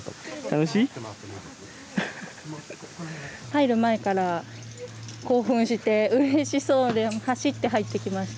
入る前から興奮してうれしそうで走って入ってきました。